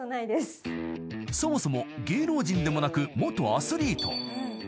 ［そもそも芸能人でもなく元アスリート］